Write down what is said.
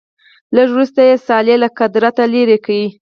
لږ وروسته یې صالح له قدرته لیرې کړ.